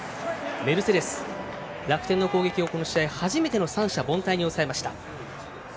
メルセデス楽天の攻撃をこの回、初めて三者凡退に抑えました。